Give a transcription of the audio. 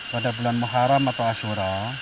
pada bulan muharam atau ashura